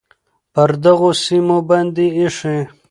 پر دغو سیمو باندې ایښی،